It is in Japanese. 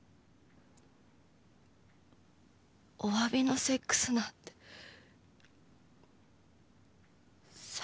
おわびのセックスなんて最低だよ。